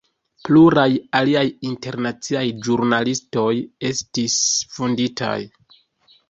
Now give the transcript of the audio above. Pluraj aliaj internaciaj ĵurnalistoj estis vunditaj.